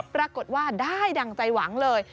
ปรากฏว่าได้ดังใจหวังเลย